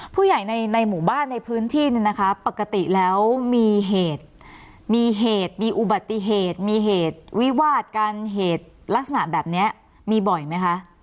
ผู้ใหญ่ในหมู่บ้านในพื้นที่เนี่ยนะคะปกติแล้วมีเหตุมีเหตุมีอุบัติเหตุมีเหตุวิวาดกันเหตุลักษณะแบบนี้มีบ่อยไหมคะ